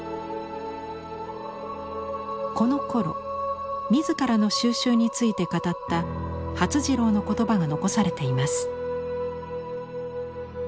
このころ自らの蒐集について語った發次郎の言葉が残されています。